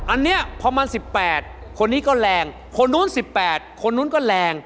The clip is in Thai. อันนี้พอมัน๑๘คนนี้ก็แรงคนนู้น๑๘คนนู้นก็แรง